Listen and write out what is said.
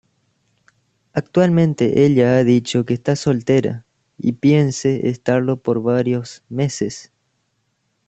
Actualmente ella ha dicho que está soltera y piense estarlo por varios meses.